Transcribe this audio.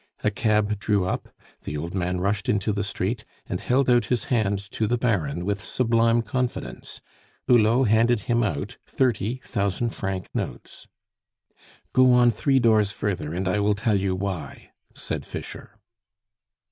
A cab drew up, the old man rushed into the street, and held out his hand to the Baron with sublime confidence Hulot handed him out thirty thousand franc notes. "Go on three doors further, and I will tell you why," said Fischer.